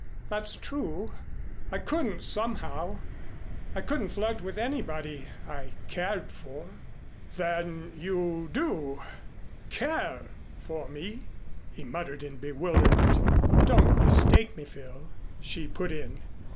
"That's true. I couldn't somehow. I couldn't flirt with anybody I cared for." "Then you do care for me?" he muttered in bewilderment. "Don't mistake me, Phil," she put in.